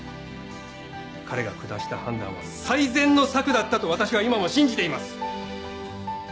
彼が下した判断は最善の策だったと私は今も信じています。